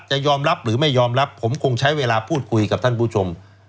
จะยอมรับหรือไม่ยอมรับผมคงใช้เวลาพูดคุยกับท่านผู้ชม